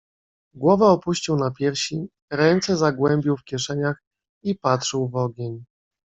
"Głowę opuścił na piersi, ręce zagłębił w kieszeniach i patrzył w ogień."